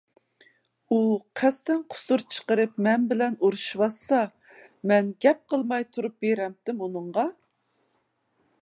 ئۇ قەستەن قۇسۇر چىقىرىپ مەن بىلەن ئۇرۇشىۋاتسا، مەن گەپ قىلماي تۇرۇپ بېرەمدىم ئۇنىڭغا.